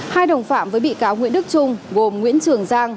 hai đồng phạm với bị cáo nguyễn đức trung gồm nguyễn trường giang